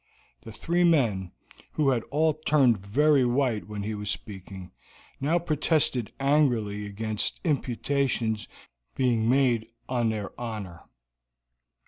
The three men, who had all turned very white when he was speaking, now protested angrily against imputations being made on their honor.